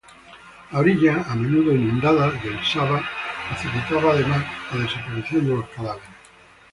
La orilla a menudo inundada del Sava facilitaba además la desaparición de los cadáveres.